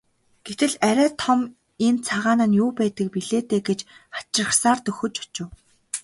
Гэтэл арай том энэ цагаан нь юу байдаг билээ дээ гэж хачирхсаар дөхөж очив.